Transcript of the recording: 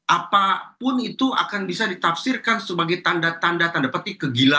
apapun itu akan bisa ditafsirkan sebagai tanda tanda tanda petik kegila